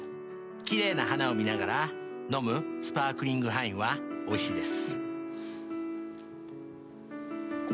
奇麗な花を見ながら飲むスパークリング歯インはおいしいです。